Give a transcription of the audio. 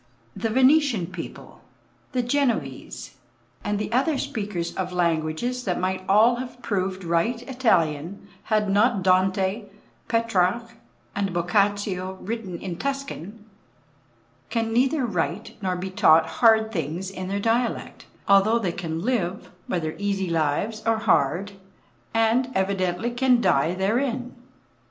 The Venetian people, the Genoese, and the other speakers of languages that might all have proved right "Italian" had not Dante, Petrarch and Boccaccio written in Tuscan, can neither write nor be taught hard things in their dialect, although they can live, whether easy lives or hard, and evidently can die, therein.